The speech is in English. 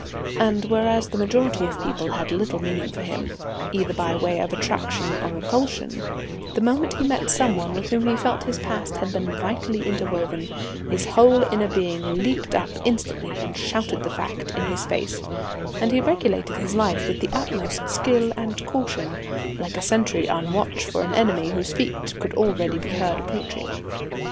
And whereas the majority of people had little meaning for him, either by way of attraction or repulsion, the moment he met some one with whom he felt his past had been vitally interwoven his whole inner being leapt up instantly and shouted the fact in his face, and he regulated his life with the utmost skill and caution, like a sentry on watch for an enemy whose feet could already be heard approaching.